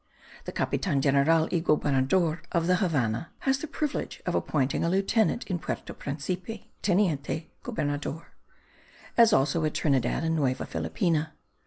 The Capitan general y Gobernador of the Havannah has the privilege of appointing a lieutenant in Puerto Principe (Teniente Gobernador), as also at Trinidad and Nueva Filipina.